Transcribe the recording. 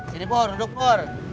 sini pur duduk pur